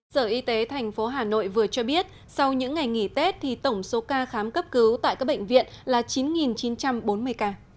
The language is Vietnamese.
sở y tế tp hà nội vừa cho biết sau những ngày nghỉ tết thì tổng số ca khám cấp cứu tại các bệnh viện là chín chín trăm bốn mươi ca